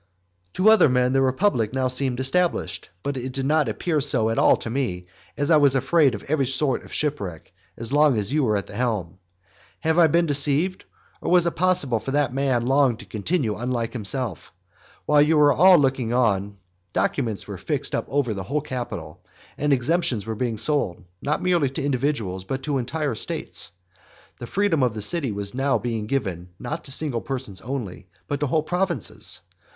To other men the republic now seemed established, but it did not appear so at all to me, as I was afraid of every sort of shipwreck, as long as you were at the helm. Have I been deceived? or, was it possible for that man long to continue unlike himself? While you were all looking on, documents were fixed up over the whole Capitol, and exemptions were being sold, not merely to individuals, but to entire states. The freedom of the city was also being given now not to single persons only, but to whole provinces.